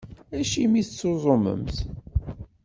Acimi i tettuẓumemt?